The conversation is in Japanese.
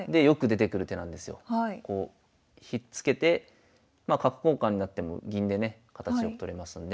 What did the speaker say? こうひっつけてまあ角交換になっても銀でね形良く取れますんで。